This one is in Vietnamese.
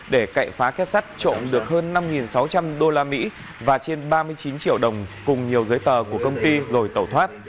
để cậy phá kết sắt trộm được hơn năm sáu trăm linh usd và trên ba mươi chín triệu đồng cùng nhiều giấy tờ của công ty rồi tẩu thoát